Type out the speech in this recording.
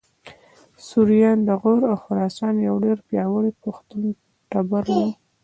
سوریان د غور او خراسان یو ډېر پیاوړی پښتون ټبر و